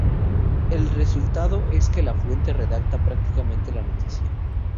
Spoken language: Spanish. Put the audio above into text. El resultado es que la fuente redacta prácticamente la noticia.